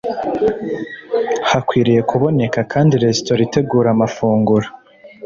Hakwiriye kuboneka kandi resitora itegura amafunguro